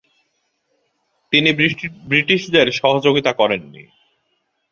তিনি ব্রিটিশদের সহযোগিতা করেননি।